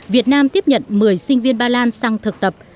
việt nam tiếp nhận một mươi sinh viên ba lan sang thực tập